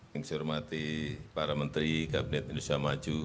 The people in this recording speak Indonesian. yang saya hormati para menteri kabinet indonesia maju